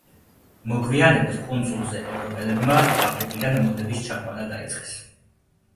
მოგვიანებით კუნძულზე ევროპელებმა აფრიკიდან მონების ჩაყვანა დაიწყეს.